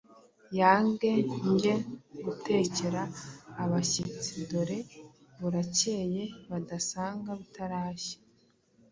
yange nge gutekera abashyitsi, dore burakeye badasanga bitarashya.”